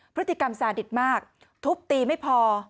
พฤติกรรมสาดิตมากทุบตีไม่พอ